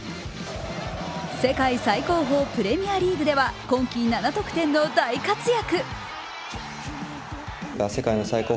世界最高峰プレミアリーグでは今季７得点の大活躍。